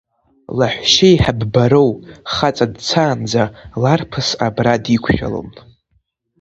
Лаҳәшеиҳабы Бароу, хаҵа дцаанӡа, ларԥыс абра диқәшәалон.